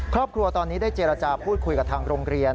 ครอบครัวตอนนี้ได้เจรจาพูดคุยกับทางโรงเรียน